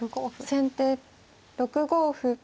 先手６五歩。